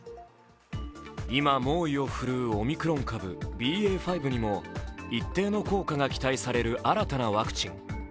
今、猛威を振るうオミクロン株ＢＡ．５にも一定の効果が期待される新たなワクチン。